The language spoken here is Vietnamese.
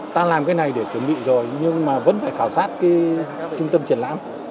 ta làm cái này để chuẩn bị rồi nhưng mà vẫn phải khảo sát cái trung tâm triển lãm